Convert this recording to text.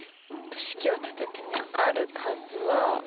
式を立ててみようある数は。